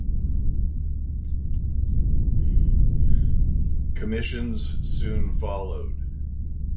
Commissions soon followed.